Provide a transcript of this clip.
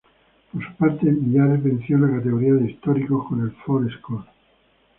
Por su parte Millares venció en la categoría de históricos con el Ford Escort.